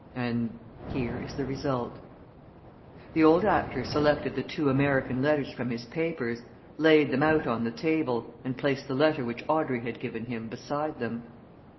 And here is the result!" The old actor selected the two American letters from his papers, laid them out on the table, and placed the letter which Audrey had given him beside them.